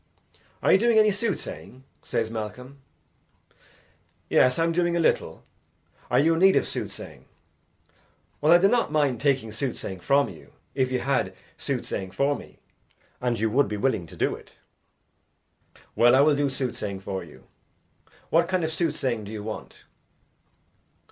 "Are you doing any soothsaying?" says Malcolm. "Yes, I am doing a little. Are you in need of soothsaying?" "Well, I do not mind taking soothsaying from you, if you had soothsaying for me, and you would be willing to do it." "Well, I will do soothsaying for you. What kind of soothsaying do you want?"